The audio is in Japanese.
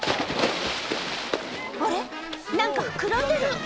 あれっ、なんか膨らんでる。